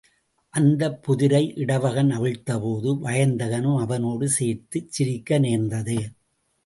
அந்தப் புதிரை இடவகன் அவிழ்த்தபோது வயந்தகனும் அவனோடு சேர்ந்து சிரிக்க நேர்ந்தது.